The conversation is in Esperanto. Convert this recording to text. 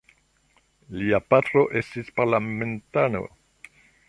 Lia patro estis parlamentano.